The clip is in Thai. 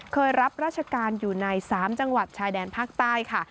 รับราชการอยู่ใน๓จังหวัดชายแดนภาคใต้ค่ะ